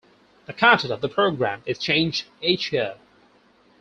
The content of the program is changed each year.